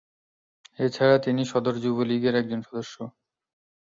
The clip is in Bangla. এছাড়া তিনি সদর যুবলীগের একজন সদস্য।